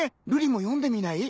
瑠璃も読んでみない？